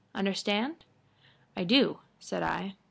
Understand?" "I do," said I.